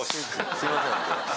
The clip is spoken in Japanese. すいません。